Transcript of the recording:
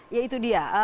ya itu dia